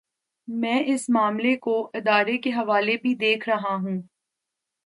میں اس معاملے کو ادارے کے حوالے سے بھی دیکھ رہا ہوں۔